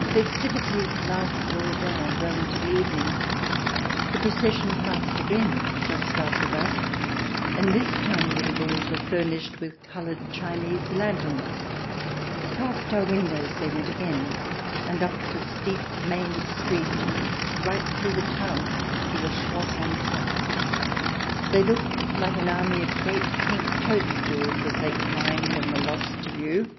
The festivities lasted all day and well into the evening. The procession passed again just after dusk, and this time the little boys were furnished with coloured Chinese lanterns. Past our windows they went again, and up the steep main street right through the town to the Schloss on top. They looked like an army of great pink toadstools, as they climbed and were lost to view.